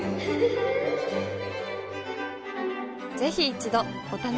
ぜひ一度お試しを。